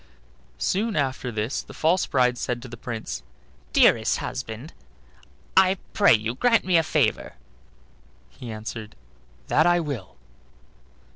Soon after this the false bride said to the Prince: "Dearest husband, I pray you grant me a favor." He answered: "That I will."